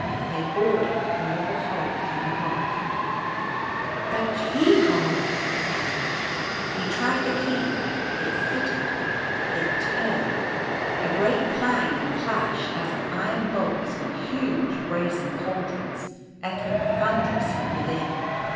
They bordered a little hole in the rock. " The keyhole !" he cried. He tried the key. It fitted. It turned. A great clang and clash, as of iron bolts on huge brazen cal drons, echoed thunderously within.